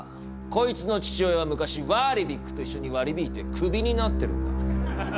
こいつの父親は昔ワーリビックと一緒に割り引いてクビになってるんだ。